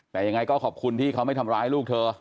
แต่ยังไงก็ขอบคุณที่เขาไม่ทำร้ายลูกเธอ